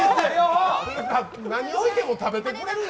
何置いても食べてくれるんじ